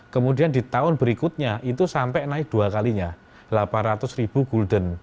kemudian di tahun berikutnya itu sampai naik dua kalinya delapan ratus ribu gulden